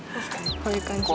こういう感じだね。